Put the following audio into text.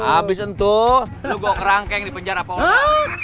habis itu lo gue kerangkeng di penjara pokok